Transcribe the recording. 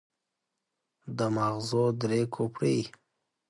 د ماغزو درې کوپړۍ.